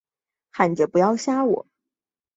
喊着不要杀我